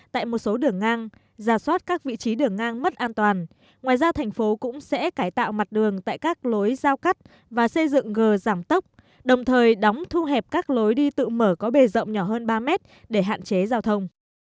tại một số đường ngang giả soát các vị trí đường ngang mất an toàn ngoài ra thành phố cũng sẽ cải tạo mặt đường tại các lối giao cắt và xây dựng gờ giảm tốc đồng thời đóng thu hẹp các lối đi tự mở có bề rộng nhỏ hơn ba mét để hạn chế giao thông